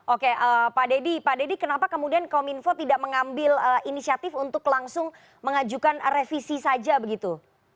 oke pak deddy pak deddy kenapa kemudian kominfo tidak mengambil inisiatif untuk langsung mengajukan revisi saja begitu